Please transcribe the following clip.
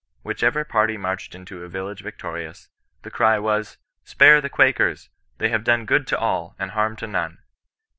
Whichever party marched into a village victorious, the cry was^ ^^ Spare the Quakers ! They have done good to all, and harm to none."